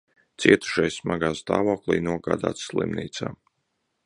Cietušais smagā stāvoklī nogādāts slimnīcā.